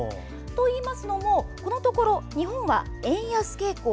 といいますのもこのところ日本は円安傾向。